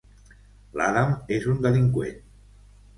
L'Adam és un delinqüent.